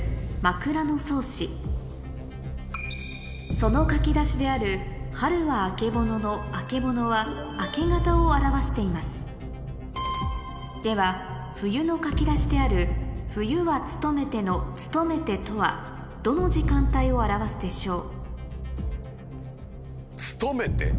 その書き出しである「春はあけぼの」の「あけぼの」は「明け方」を表していますでは冬の書き出しである「冬はつとめて」の「つとめて」とはどの時間帯を表すでしょう？